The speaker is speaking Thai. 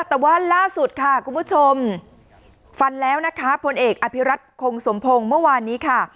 แต่ว่าล่าสุดค่ะคุณผู้ชมฟันแล้วนะคะพลเอกอภิรัตคงสมพงศ์เมื่อวานนี้ค่ะ